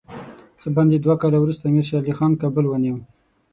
څه باندې دوه کاله وروسته امیر شېر علي خان کابل ونیوی.